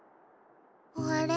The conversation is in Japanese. あれ？